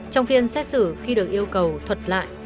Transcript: trong phiên xét xử khi được yêu cầu thuật lại